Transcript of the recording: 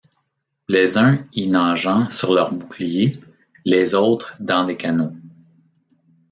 Les uns y nageant sur leurs boucliers, les autres dans des canots.